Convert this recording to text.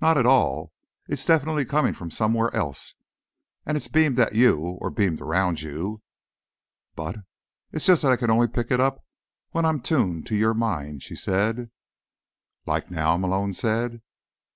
"Not at all. It's definitely coming from somewhere else, and it's beamed at you, or beamed around you." "But—" "It's just that I can only pick it up when I'm tuned to your mind," she said. "Like now?" Malone said.